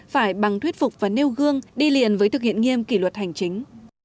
phải bằng thuyết phục và nêu gương đi liền với thực hiện nghiêm kỷ luật hành chính